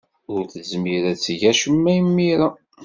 Ur tezmir ad teg acemma imir-a.